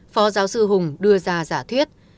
phó giáo sư hùng đưa ra giả thuyết